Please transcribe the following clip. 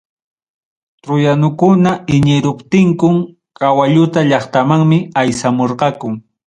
Truyanukuna iñiruptinkum, kawalluta llaqtamanmi aysamurqaku.